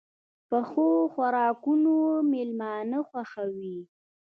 پخو خوراکونو مېلمانه خوښوي